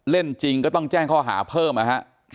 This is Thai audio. จริงก็ต้องแจ้งข้อหาเพิ่มนะฮะ